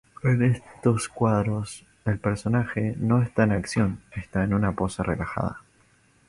En estos cuadros el personaje no está en acción, está en una pose relajada.